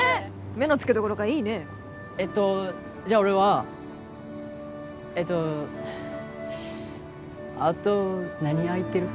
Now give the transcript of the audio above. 目のつけどころがいいねえっとじゃあ俺はえっとあと何空いてる？